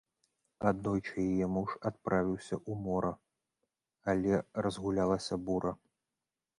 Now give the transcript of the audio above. Аднойчы яе муж адправіўся ў мора, але разгулялася бура.